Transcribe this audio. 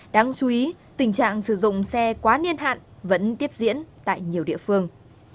đáng chú ý tình trạng sử dụng xe quá niên hạn vẫn tiếp diễn tại nhiều địa phương